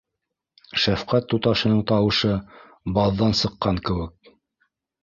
Шәфҡәт туташының тауышы баҙҙан сыҡҡан кеүек.